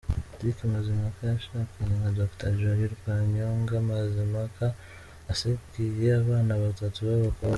Patrick Mazimpaka yashakanye na Dr Jolly Rwanyonga Mazimpaka asigiye abana batatu b’abakobwa.